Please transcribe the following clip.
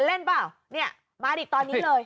เล่นเปล่ามาติดตอนนี้เลย